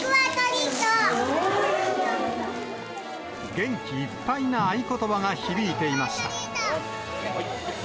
元気いっぱいな合言葉が響いていました。